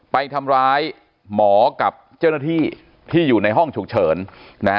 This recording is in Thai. ไปทำร้ายหมอกับเจ้าหน้าที่ที่อยู่ในห้องฉุกเฉินนะฮะ